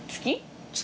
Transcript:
月？